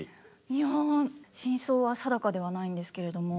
いや真相は定かではないんですけれども。